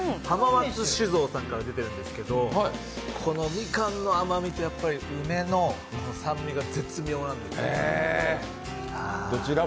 浜松酒造さんから出ているんですけど、このみかんの甘味と、梅の酸味が絶妙なんですよ。